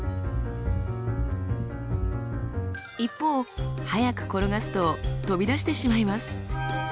一方速く転がすと飛び出してしまいます。